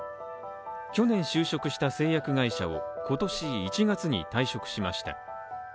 去年就職した製薬会社を今年１月に退職しました。